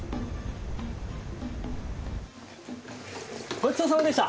ごちそうさまでした！